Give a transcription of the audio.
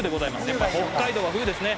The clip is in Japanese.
やっぱり北海道は冬ですね」